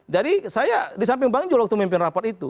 jadi saya di samping bang jo waktu memimpin rapat itu